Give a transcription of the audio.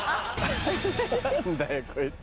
何だよこいつ。